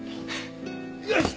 よし！